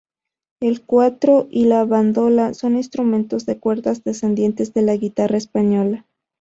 El cuatro y la bandola son instrumentos de cuerda descendientes de la guitarra española.